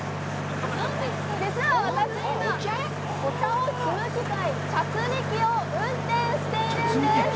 実は私、今、お茶を摘む機械、茶摘み機を運転しているんです！